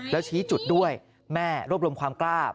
แล้วชี้จุดด้วยแม่รวบรวมความกล้า